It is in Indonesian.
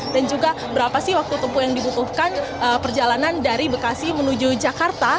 dan juga berapa sih waktu tempuh yang dibutuhkan perjalanan dari bekasi menuju jakarta